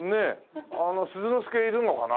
あの鈴之助いるのかな？